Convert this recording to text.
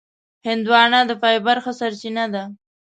هندوانه د فایبر ښه سرچینه ده.